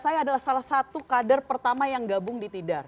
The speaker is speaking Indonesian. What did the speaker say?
saya adalah salah satu kader pertama yang gabung di tidar